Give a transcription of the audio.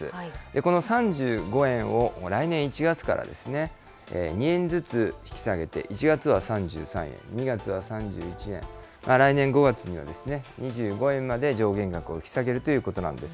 この３５円を来年１月から２円ずつ引き下げて、１月は３３円、２月は３１円、来年５月には２５円まで上限額を引き下げるということなんです。